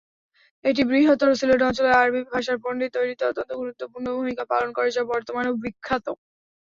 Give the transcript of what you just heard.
এটি বৃহত্তর সিলেট অঞ্চলে "আরবি ভাষার পণ্ডিত" তৈরিতে অত্যন্ত গুরুত্বপূর্ণ ভূমিকা পালন করে, যা বর্তমানেও বিখ্যাত।